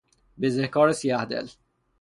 بزهکار سیهدل